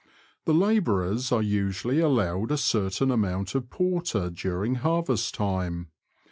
The labourers are usually allowed a certain amount of porter during harvest time.